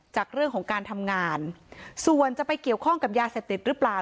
จากเรื่องของการทำงานส่วนจะไปเกี่ยวข้องกับยาเสพติดหรือเปล่า